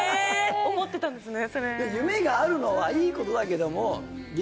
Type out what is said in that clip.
思ってたんですね